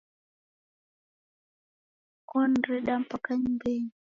Onireda mpaka nyumbenyi